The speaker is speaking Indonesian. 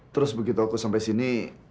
terus begitu aku sampai sini